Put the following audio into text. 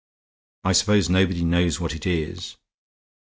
I suppose nobody knows what it is."